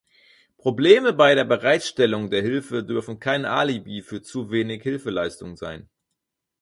Probleme bei der Bereitstellung der Hilfe dürfen kein Alibi für zu wenig Hilfeleistung sein.